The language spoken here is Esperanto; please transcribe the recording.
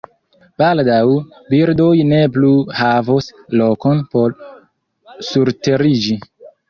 Baldaŭ, birdoj ne plu havos lokon por surteriĝi.